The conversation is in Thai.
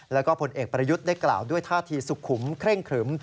แล้วก็ผลเอกประยุทธ์ได้กล่าวด้วยท่าทีสุขุมเคร่งครึม